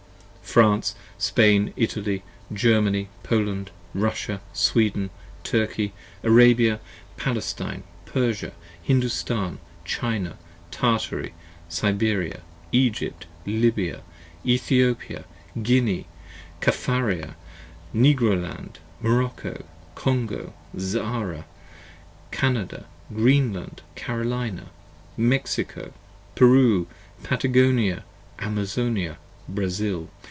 France, Spain, Italy, Germany, Poland, Russia, Sweden, Turkey, Arabia, Palestine, Persia, Hindostan, China, Tartary, Siberia, 40 Egypt, Lybia, Ethiopia, Guinea, Caffraria, Negroland, Morocco, Congo, Zaara, Canada, Greenland, Carolina, Mexico, Peru, Patagonia, Amazonia, Brazil.